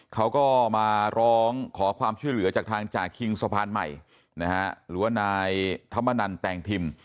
เขาก็มาร้องขอความช่วยเหลือจากทางจ่าคิงสะพานใหม่นะฮะหรือว่านายธรรมนันแตงทิม